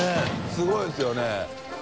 すごいですよね。